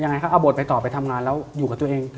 เขาเอาบทไปต่อไปทำงานแล้วอยู่กับตัวเอง